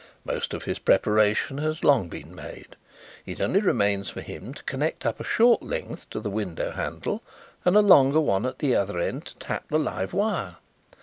Most of his preparation has long been made; it only remains for him to connect up a short length to the window handle and a longer one at the other end to tap the live wire.